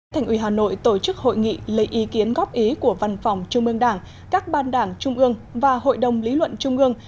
thành ủy hà nội tổ chức hội nghị lấy ý kiến góp ý của văn phòng trung ương đảng các ban đảng trung ương và hội đồng lý luận trung ương